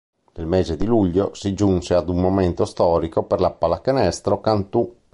Nel mese di luglio si giunse ad un momento storico per la Pallacanestro Cantù.